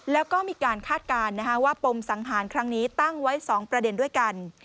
แล้วก็มีการคาดการณ์ว่าปมสังหารครั้งนี้ตั้งไว้๒ประเด็นด้วยกัน